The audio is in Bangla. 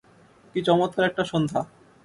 কী চমৎকার একটা সন্ধ্যা!